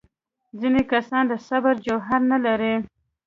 ځینې کسان د صبر جوهر نه لري.